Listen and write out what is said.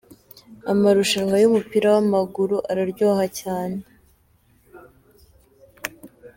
Amarushanwa y'umupira w'amaguru araryoha cyane.